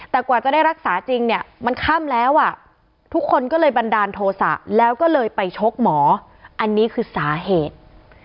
แต่กว่าจะได้รักษาจริงเนี่ยมันค่ำแล้วอ่ะทุกคนก็เลยบันดาลโทษะแล้วก็เลยไปชกหมออันนี้คือสาเหตุ